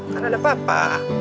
kan ada papa